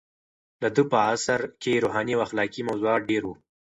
د ده په عصر کې روحاني او اخلاقي موضوعات ډېر وو.